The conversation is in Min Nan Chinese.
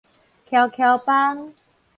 蹺蹺板